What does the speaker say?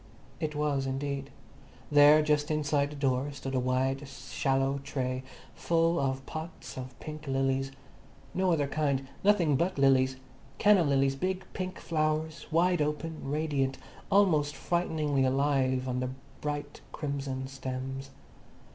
It was, indeed. There, just inside the door, stood a wide, shallow tray full of pots of pink lilies. No other kind. Nothing but lilies—canna lilies, big pink flowers, wide open, radiant, almost frighteningly alive on bright crimson stems.